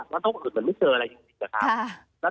แล้วต้องอึดเหมือนไม่เจออะไรจริงอะครับ